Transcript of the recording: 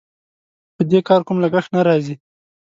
په دې کار کوم لګښت نه راځي.